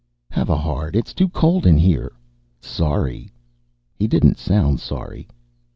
"Have a heart. It's too cold in here." "Sorry." He didn't sound sorry.